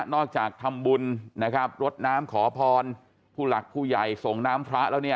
จากทำบุญนะครับรดน้ำขอพรผู้หลักผู้ใหญ่ส่งน้ำพระแล้วเนี่ย